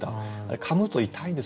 かむと痛いんですよ